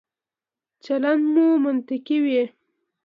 چلند مو منطقي وي.